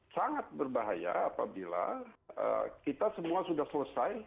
sangat berbahaya apabila kita semua sudah selesai